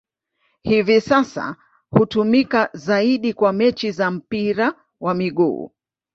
Hivi sasa hutumika zaidi kwa mechi za mpira wa miguu.